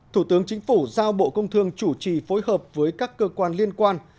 thủ tướng chính phủ giao bộ công thương chủ trì phối hợp với các cơ quan liên quan